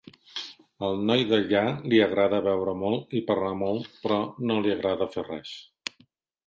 Al noi d'allà li agrada beure molt i parlar molt, però no li agrada fer res.